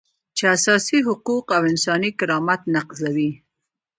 چې اساسي حقوق او انساني کرامت نقضوي.